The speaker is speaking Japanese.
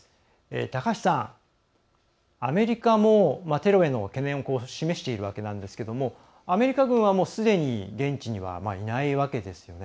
高橋さん、アメリカもテロへの懸念を示しているわけですがアメリカ軍はすでに現地にいないわけですね。